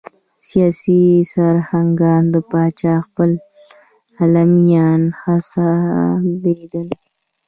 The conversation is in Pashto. سیاسي سرکښان د پاچا خپل غلیمان حسابېدل.